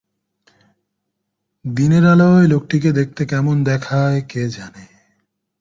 দিনের আলোয় লোকটিকে দেখতে কেমন দেখায় কে জানে।